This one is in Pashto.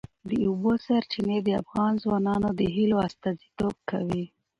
د اوبو سرچینې د افغان ځوانانو د هیلو استازیتوب کوي.